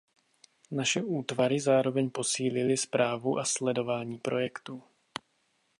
Naše útvary zároveň posílily správu a sledování projektu.